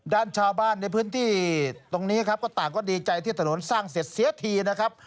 ด้านชาวบ้านในพื้นที่ตรงนี้ครับก็ต่างก็ดีใจที่ถนนสร้างเสร็จเสียทีนะครับ